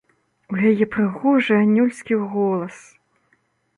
У яе прыгожы анёльскі голас!